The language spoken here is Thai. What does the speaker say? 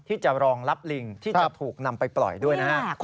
ที่จะรองรับลิงที่จะถูกนำไปปล่อยด้วยนะครับ